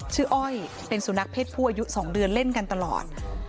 อ้อยเป็นสุนัขเพศผู้อายุ๒เดือนเล่นกันตลอด